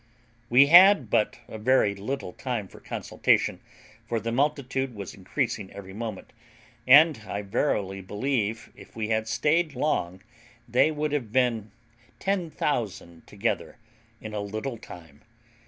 We had but a very little time for consultation, for the multitude was increasing every moment; and I verily believe, if we had stayed long, they would have been 10,000 together in a little time.